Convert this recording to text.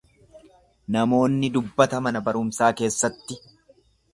Namoonni dubbata mana barumsaa keessatti.